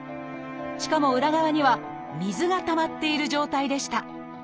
しかも裏側には水がたまっている状態でした。